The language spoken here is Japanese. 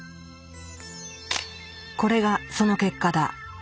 これがその結果だ。